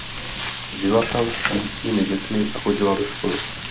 Žila tam s místními dětmi a chodila do školy.